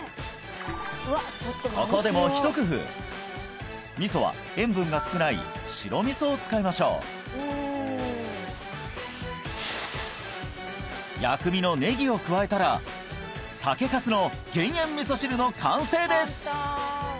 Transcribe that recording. ここでもひと工夫味噌は塩分が少ない白味噌を使いましょう薬味のネギを加えたら酒粕の減塩味噌汁の完成です！